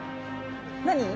何？